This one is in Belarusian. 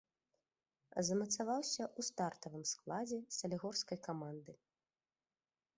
Замацаваўся ў стартавым складзе салігорскай каманды.